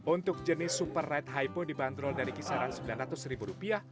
untuk jenis super red hypo dibanderol dari kisaran sembilan ratus ribu rupiah